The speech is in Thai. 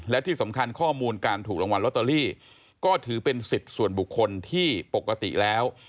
และที่สำคัญความันถูกรางวัลก็ถือเป็นสิทธิ์ส่วนบุคคลที่ปกติแล้ว